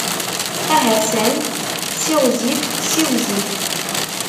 Aha san! Siɣzif, siwzil.